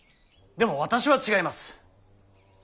でも私は違います。